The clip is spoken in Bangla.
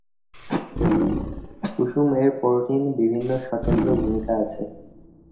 কুসুম এর প্রোটিন বিভিন্ন স্বতন্ত্র ভূমিকা আছে।